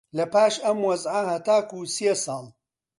لەپاش ئەم وەزعە هەتاکوو سێ ساڵ